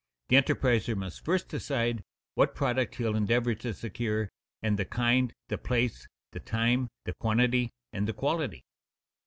_ The enterpriser must first decide what product he will endeavor to secure, and the kind, the place, the time, the quantity, and the quality.